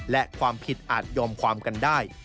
และความผิดอาจยอมความกันได้